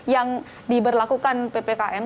yang diberlakukan ppkm